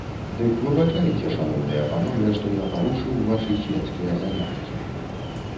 Дык выбачайце, шаноўныя панове, што я парушыў вашы свецкія заняткі.